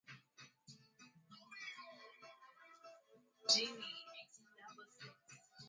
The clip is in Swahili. Mkuu huyo amtaka Rais Yoweri Museveni kuhakikisha kuna hatua za kukomesha vitendo hivyo na sio maneno pekee